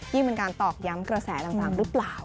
ยิ่งเป็นการตอกย้ำกระแสต่างหรือเปล่า